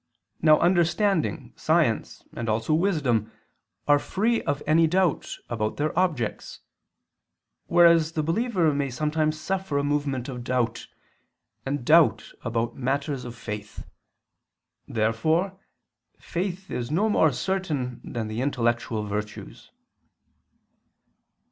Now understanding, science and also wisdom are free of any doubt about their objects; whereas the believer may sometimes suffer a movement of doubt, and doubt about matters of faith. Therefore faith is no more certain than the intellectual virtues.